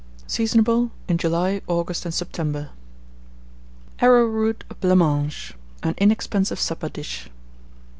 Seasonable in July, August, and September. ARROWROOT BLANC MANGE. (An inexpensive Supper Dish.)